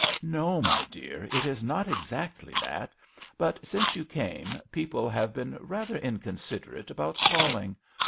" No, my dear, it is not exactly that ; but since you came people have been rather inconsiderate about calling.